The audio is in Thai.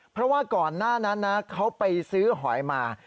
เพราะว่าก่อนหน้านั้นนะเขาไปซื้อหอยมา